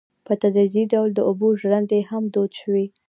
په تدریجي ډول د اوبو ژرندې هم دود شوې.